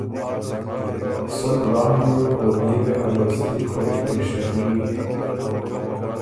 سۀ کُلان بیوک او بيې وې ا دوستي خوئ رشته دري